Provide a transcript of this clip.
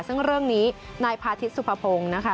ซึ่งเรื่องนี้นายพาทิศสุภพงศ์นะคะ